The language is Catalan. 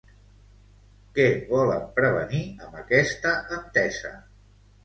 Què volen prevenir amb aquesta entesa?